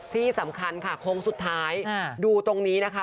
ที่สำคัญค่ะโค้งสุดท้ายดูตรงนี้นะคะ